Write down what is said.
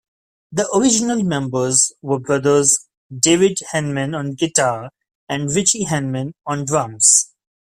The original members were brothers David Henman on guitar and Ritchie Henman on drums.